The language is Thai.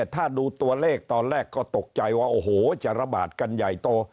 ถ้าดูตัวเลขตอนแรกก็ตกใจว่าโอ้โหจะระบาดกันใหญ่โต